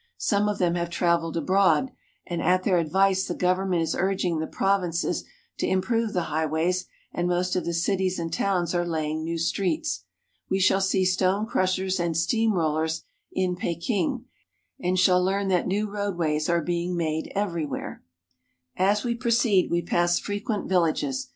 Some of them have traveled abroad, and at their advice the government is urging the provinces to improve the highways, and most of the cities and towns are laying new streets. We shall see stone crushers and steam rollers in Peking, and shall learn that new roadways are being made everywhere. GENERAL VIEW 121 As we proceed we pass frequent villages.